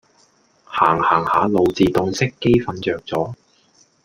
行行下路自動熄機瞓著咗